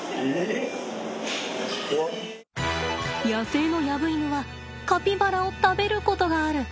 野生のヤブイヌはカピバラを食べることがある。